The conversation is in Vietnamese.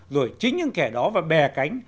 rồi chính những kẻ đó và bè cánh